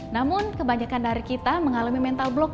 namun kebanyakan dari kita mengalami mental blok